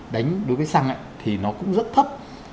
đánh đối với xăng thì nó cũng rất thấp